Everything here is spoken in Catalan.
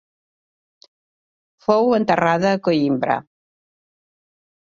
Fou enterrada a Coïmbra.